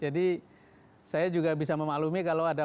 jadi saya juga bisa memaklumi kalau ada